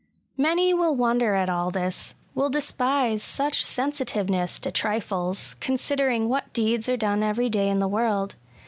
Many will wonder at all this — will despise such sensitiveness to trifles, considering what deeds are done every day in the world.